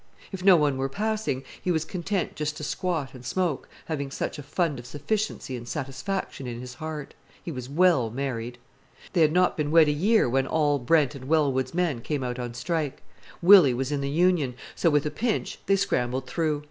If no one were passing, he was content just to squat and smoke, having such a fund of sufficiency and satisfaction in his heart. He was well married. They had not been wed a year when all Brent and Wellwood's men came out on strike. Willy was in the Union, so with a pinch they scrambled through.